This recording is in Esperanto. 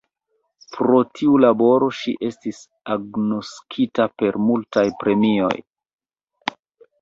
Pro tiu laboro ŝi estis agnoskita per multaj premioj.